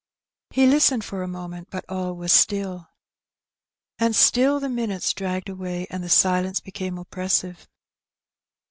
He listened for a moment^ but all was still. And still the minutes dragged away^ and the silence became oppressive.